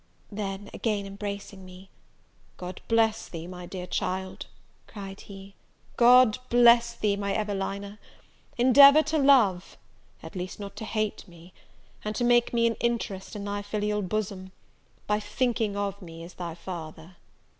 Then, again embracing me, "God bless thee, my dear child," cried he, "God bless thee, my Evelina! endeavour to love, at least not to hate me, and to make me an interest in thy filial bosom, by thinking of me as thy father."